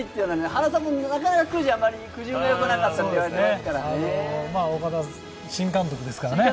原さんもなかなか、あまりくじ運がよくなかったですからね。